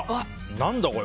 何だこれ。